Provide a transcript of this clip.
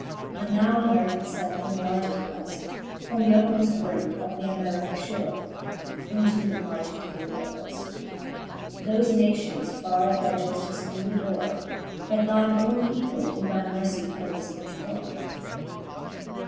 And now on earth itfelf enlarged has. From the utmoft brinke of the Armericke Ihore, Unto the margent of the Molucasf Thofe nations farre thy juftice doe adore : But thine owne people doe thy mercy prayfe much more.